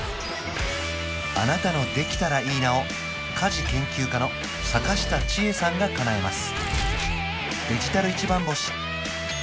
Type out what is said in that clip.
あなたの「できたらいいな」を家事研究家の阪下千恵さんがかなえます